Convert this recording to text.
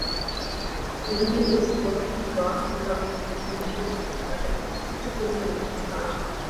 உடனே வெயிஸ்ட் கோட்டையும் காந்திக் குல்லாவையும் எடுத்தெறிந்து விட்டுத் தலையில் உச்சிக்குடுமி வைத்துக் கொண்டாராம்.